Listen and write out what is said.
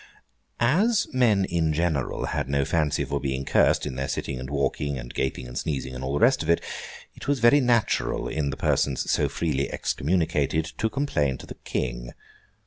As men in general had no fancy for being cursed, in their sitting and walking, and gaping and sneezing, and all the rest of it, it was very natural in the persons so freely excommunicated to complain to the King.